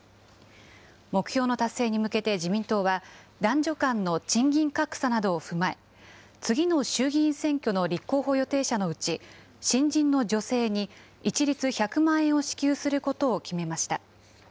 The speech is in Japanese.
目標の達成に向けて、自民党は、男女間の賃金格差などを踏まえ、次の衆議院選挙の立候補予定者のうち、新人の女性に一律１００万円を支給することを決めました。